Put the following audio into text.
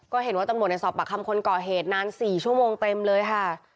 ก็เห็นว่าตำรวจในสอบปากคำคนก่อเหตุนาน๔ชั่วโมงเต็มเลยค่ะ